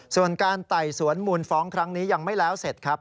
ส่วนการไต่สวนมูลฟ้องครั้งนี้ยังไม่แล้วเสร็จครับ